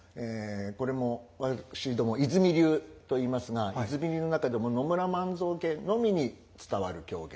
これも私ども和泉流といいますが和泉流の中でも野村万蔵家のみに伝わる狂言で。